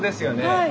はい。